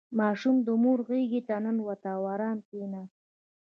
• ماشوم د مور غېږې ته ننوت او آرام کښېناست.